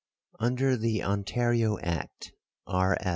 Under the Ontario Act, R.